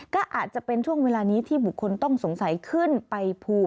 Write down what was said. ก็อาจจะเป็นช่วงเวลานี้ที่บุคคลต้องสงสัยขึ้นไปภู